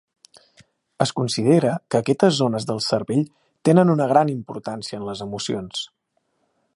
Es considera que aquestes zones del cervell tenen una gran importància en les emocions.